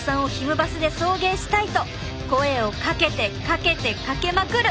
バスで送迎したいと声をかけてかけてかけまくる！